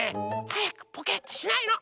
はやくポケッとしないの！